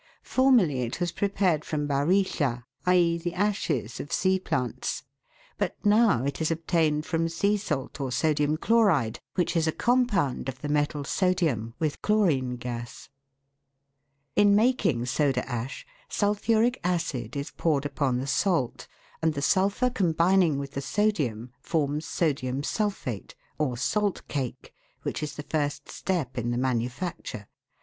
Formerly it was prepared from barilla i.e., the ashes of sea plants but now it is obtained from sea salt or sodium chloride, which is a compound of the metal sodium with chlorine gas. In making soda ash, sulphuric acid is poured upon the salt, and the sulphur combining with the sodium forms sodium sulphate, or " salt cake," which is the first step in the manufacture.